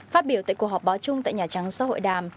phát biểu tại cuộc họp báo chung tại nhà trắng sau hội đàm